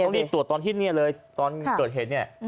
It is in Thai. ต้องรีบตรวจตอนที่นี่เลยตอนเกิดเห็นนี่